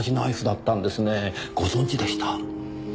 ご存じでした？